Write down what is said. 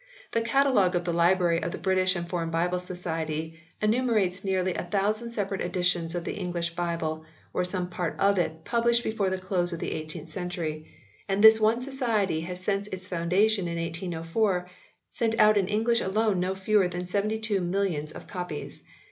The catalogue of the Library of the British and Foreign Bible Society enumerates nearly a thousand separate editions of the English Bible, or of some part of it published before the close of the 18th century, and this one Society has since its foundation in 1804, sent out in English alone no fewer than seventy two millions of copies.